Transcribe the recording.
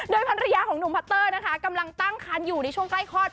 ภรรยาของหนุ่มพัตเตอร์นะคะกำลังตั้งคันอยู่ในช่วงใกล้คลอด